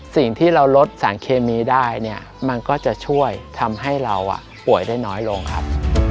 สิ่งที่เราลดสารเคมีได้เนี่ยมันก็จะช่วยทำให้เราป่วยได้น้อยลงครับ